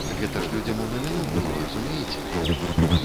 Гэта ж людзям у навіну было, разумееце?